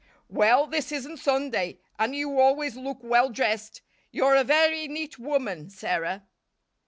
"Well, this isn't Sunday; and you always look well dressed. You're a very neat woman, Sarah."